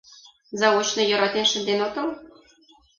Заочно йӧратен шынден отыл?